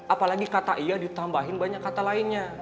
apalagi kata iya ditambahin banyak kata lainnya